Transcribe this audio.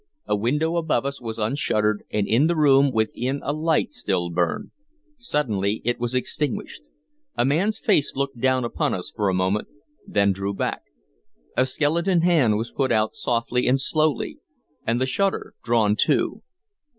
A window above us was unshuttered, and in the room within a light still burned. Suddenly it was extinguished. A man's face looked down upon us for a moment, then drew back; a skeleton hand was put out softly and slowly, and the shutter drawn to.